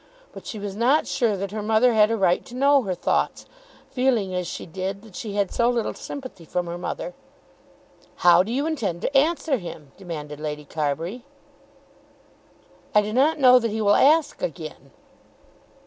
But she was not sure that her mother had a right to know her thoughts, feeling as she did that she had so little sympathy from her mother. "How do you intend to answer him?" demanded Lady Carbury. "I do not know that he will ask again."